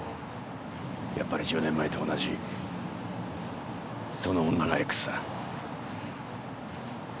やっぱり１０年前と同じその女がＸだ。